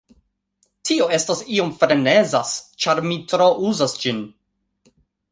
Tio estas iom frenezas ĉar mi tro uzas ĝin.